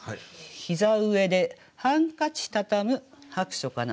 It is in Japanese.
「膝上でハンカチたたむ薄暑かな」。